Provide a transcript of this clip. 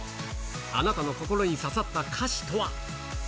あなたの心に刺さった歌詞とは。